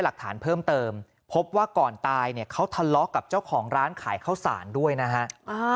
หลักฐานเพิ่มเติมพบว่าก่อนตายเนี่ยเขาทะเลาะกับเจ้าของร้านขายข้าวสารด้วยนะฮะ